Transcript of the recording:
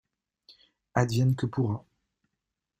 Advienne que pourra.